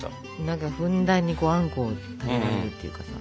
何かふんだんにあんこを食べられるっていうかさ。